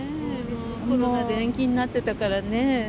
コロナで延期になってたからね。